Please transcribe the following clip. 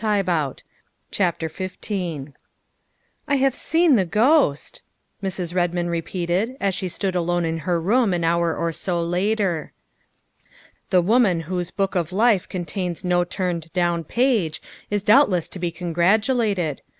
10 146 THE WIFE OF XV " I HAVE seen the ghost," Mrs. Redmond repeated as she stood alone in her bedroom an hour or so later. The woman whose book of life contains no turned down page is doubtless to be congratulated.